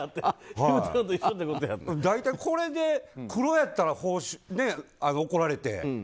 大体これでクロやったら怒られて。